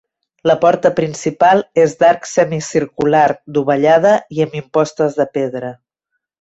La porta principal és d'arc semicircular, dovellada i amb impostes de pedra.